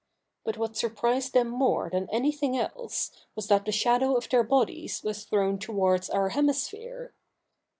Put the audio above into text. But what surprised them more than anything else, was that the shadow of their bodies was thrown towards our hemisphere.